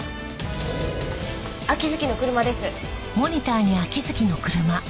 秋月の車です。